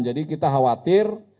jadi kita khawatir